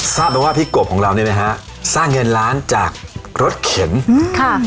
ทราบมาว่าพี่กบของเราเนี่ยนะฮะสร้างเงินล้านจากรถเข็นอืมค่ะ